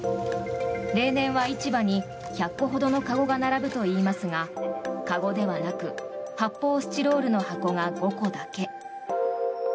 例年は市場に１００個ほどの籠が並ぶといいますが籠ではなく発泡スチロールの箱が５個だけ。